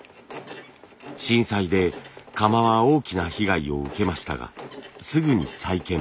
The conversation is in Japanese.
震災で窯は大きな被害を受けましたがすぐに再建。